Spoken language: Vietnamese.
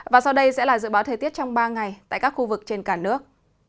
và sau đây sẽ là dự báo thời tiết trong ba ngày tại các khu vực trên cả nước